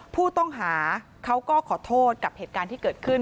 ผู้ต้องหาเขาก็ขอโทษกับเหตุการณ์ที่เกิดขึ้น